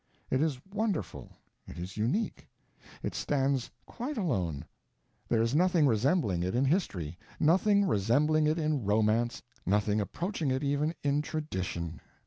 It is wonderful, it is unique, it stands quite alone, there is nothing resembling it in history, nothing resembling it in romance, nothing approaching it even in tradition.